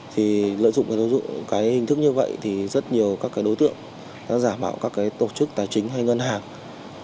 thì lợi dụng cái hình thức như vậy thì rất nhiều các cái đối tượng đã giả bảo các cái tổ chức tài chính hay ngân hàng